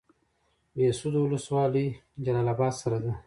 بهسودو ولسوالۍ جلال اباد سره ده؟